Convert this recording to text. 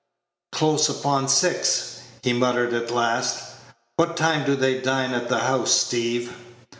"Close upon six," he muttered at last. "What time do they dine at the house, Steeve?"